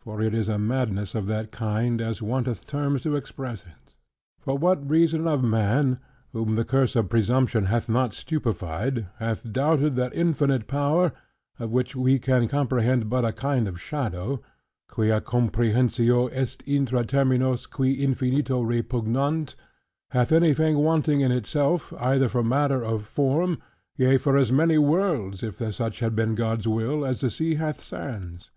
For it is a madness of that kind, as wanteth terms to express it. For what reason of man (whom the curse of presumption hath not stupefied) hath doubted, that infinite power (of which we can comprehend but a kind of shadow, "quia comprehensio est intra terminos, qui infinito repugnant") hath anything wanting in itself, either for matter of form; yea for as many worlds (if such had been God's will) as the sea hath sands?